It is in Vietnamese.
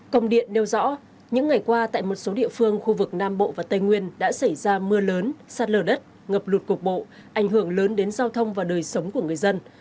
công điện nêu rõ những ngày qua tại một số địa phương khu vực nam bộ và tây nguyên đã xảy ra mưa lớn sạt lở đất ngập lụt cục bộ ảnh hưởng lớn đến giao thông và đời sống của người dân